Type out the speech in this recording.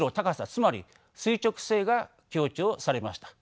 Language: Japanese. つまり垂直性が強調されました。